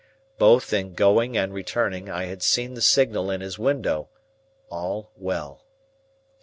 Both in going and returning, I had seen the signal in his window, All well.